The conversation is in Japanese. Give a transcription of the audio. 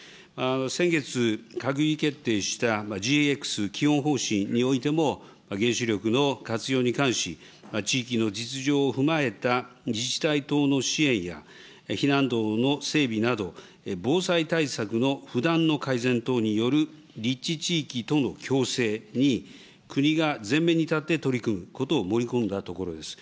先月、閣議決定した、ＧＸ基本方針においても、原子力の活用に関し、地域の実情を踏まえた自治体等の支援や避難道の整備など、防災対策の不断の改善等による立地地域との共生に国が前面に立って取り組むことを盛り込んだところです。